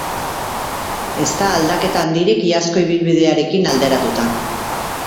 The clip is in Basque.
Ez da aldaketa handirik, iazko ibilbidearekin alderatuta.